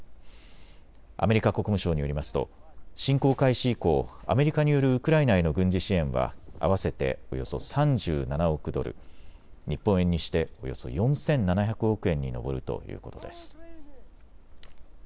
アメリカ国務省によりますと侵攻開始以降、アメリカによるウクライナへの軍事支援は合わせておよそ３７億ドル、日本円にしておよそ４７００億円に上るということです。